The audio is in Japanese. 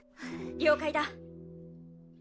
「了解だ」